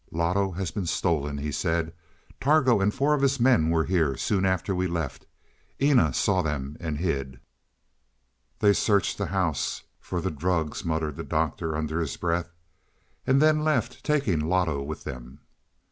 "Loto has been stolen!" he said. "Targo and four of his men were here soon after we left. Eena saw them and hid. They searched the house " "For the drugs," muttered the Doctor under his breath. " and then left, taking Loto with them."